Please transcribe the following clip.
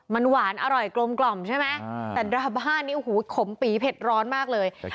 มันหวานอร่อยกลมกล่อมใช่ไหมแต่ดราม่านี้โอ้โหขมปีเผ็ดร้อนมากเลย